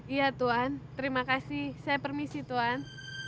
iya tuan terima kasih saya permisi tuan